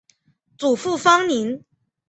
祖父方宁。